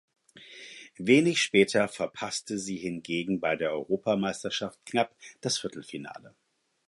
Wenig später verpasste sie hingegen bei der Europameisterschaft knapp das Viertelfinale.